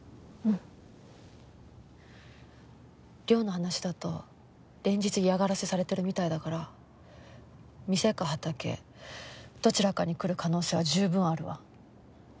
稜の話だと連日嫌がらせされてるみたいだから店か畑どちらかに来る可能性は十分あるわ。